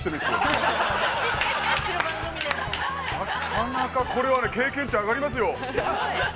なかなかこれはきょうの経験値上がりますよ。